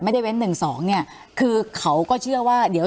ไม่ได้เว้นหนึ่งสองนี้คือเขาก็เชื่อว่าเดี๋ยว